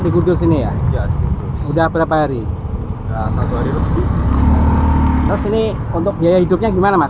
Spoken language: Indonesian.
di kota kota kota